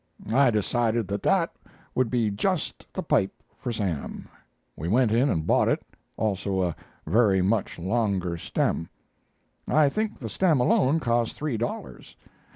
"I decided that that would be just the pipe for Sam. We went in and bought it, also a very much longer stem. I think the stem alone cost three dollars.